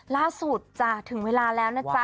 ล่าสุดจ้ะถึงเวลาแล้วนะจ๊ะ